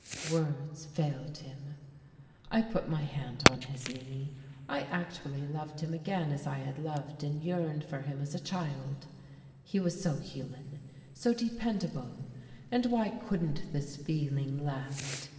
words failed him. I put my hand on his knee. I actually loved him again as I had loved and yearned for him as a child, he was so human, so dependable. And why couldn't this feeling last?